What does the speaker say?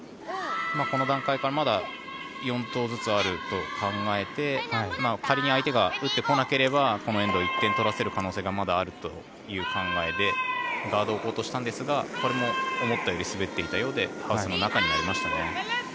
この段階からまだ４投ずつあると考えて仮に相手が打ってこなければこのエンド１点取らせる可能性がまだあるという考えでガードを置こうとしたんですがこれも思ったより滑っていたようでハウスの中になりましたね。